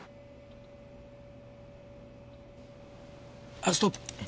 あっストップ！